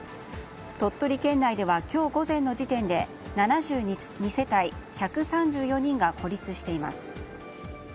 鳥取県内では今日午前の時点で７２世帯１３４人が孤立しています。